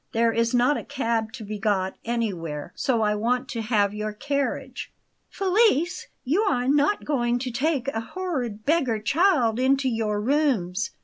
There is not a cab to be got anywhere, so I want to have your carriage." "Felice! you are not going to take a horrid beggar child into your rooms!